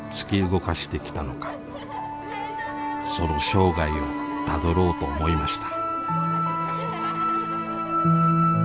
その生涯をたどろうと思いました。